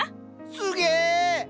すげえ！